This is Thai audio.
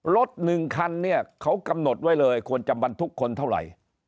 หนึ่งคันเนี่ยเขากำหนดไว้เลยควรจะบรรทุกคนเท่าไหร่